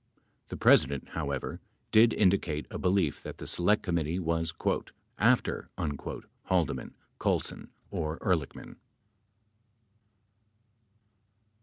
The President, however, did indicate a belief that the Select Committee was "after" Haldeman, Colson, or Ehrlich man.